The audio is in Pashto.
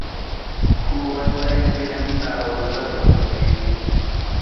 ښوونځی ذهن ته وزر ورکوي